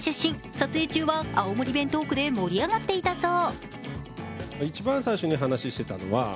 撮影中は青森弁トークで盛り上がっていたそう。